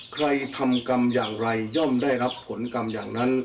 ใครทำกรรมอย่างไรย่อมได้รับผลกรรมอย่างนั้น